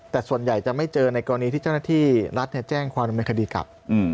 แต่ส่วนใหญ่จะไม่เจอในกรณีที่เจ้าหน้าที่รัฐแจ้งความดำเนินคดีกลับ